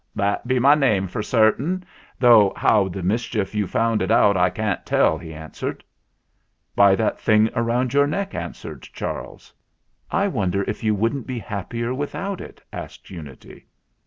"That be my name for sartain, though how the mischief you found it out I can't tell," he answered. "By that thing round your neck," answered Charles. "I wonder if you wouldn't be happier with out it ?" asked Unity.